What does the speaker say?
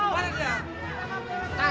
yang mana dia